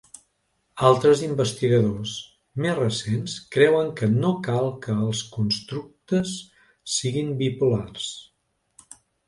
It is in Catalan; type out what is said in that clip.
Altres investigadors més recents creuen que no cal que els constructes siguin bipolars.